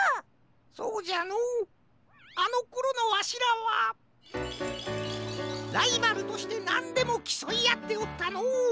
そうじゃのうあのころのわしらはライバルとしてなんでもきそいあっておったのう。